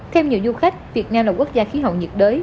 theo nhiều du khách việt nam là quốc gia khí hậu nhiệt đới